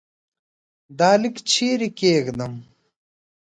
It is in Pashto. دا لیک چيري کښېږدم ؟